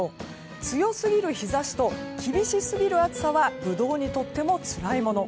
強すぎる日差しと厳しすぎる暑さはブドウにとってもつらいもの。